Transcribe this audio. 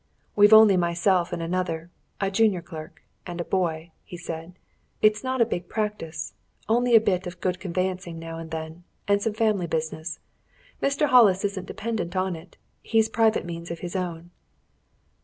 "We've only myself and another a junior clerk and a boy," he said. "It's not a big practice only a bit of good conveyancing now and then, and some family business. Mr. Hollis isn't dependent on it he's private means of his own."